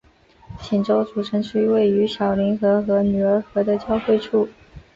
锦州主城区位于小凌河和女儿河的交汇处。